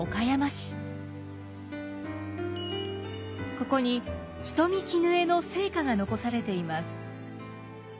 ここに人見絹枝の生家が残されています。